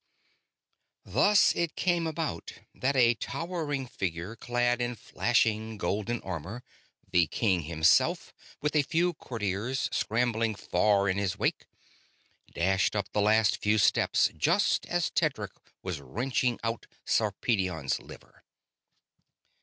Thus it came about that a towering figure clad in flashing golden armor the king himself, with a few courtiers scrambling far in his wake dashed up the last few steps just as Tedric was wrenching out Sarpedion's liver.